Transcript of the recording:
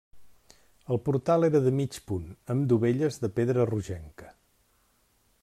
El portal era de mig punt, amb dovelles de pedra rogenca.